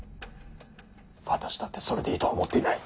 私だってそれでいいとは思っていない。